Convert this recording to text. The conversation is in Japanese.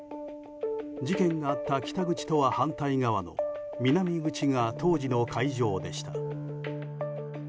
事件があった北口とは反対側の南口が当時の会場でした。